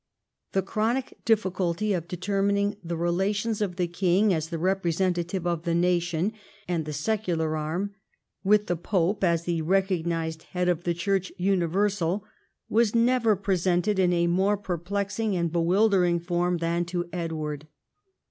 The chronic difficulty of determining the relations of the king, as the representative of the nation and the secular arm, with the pope, as the recognised head of the Church universal, was never presented in a more perplexing and bewildering form than to Edward.